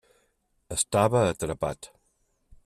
Estava atrapat.